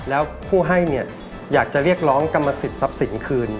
แล้วผู้ให้เนี่ยอยากจะเรียกร้องกรรมสิทธิทรัพย์สินคืน